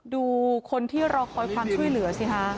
ดูคนที่รอคอยความช่วยเหลือสิคะ